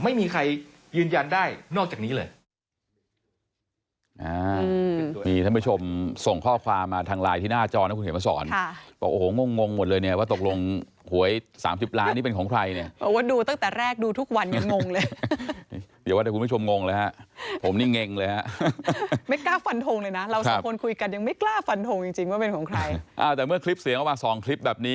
ไม่มีใครยืนยันได้